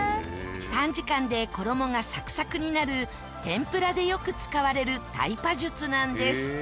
短時間で衣がサクサクになる天ぷらでよく使われるタイパ術なんです。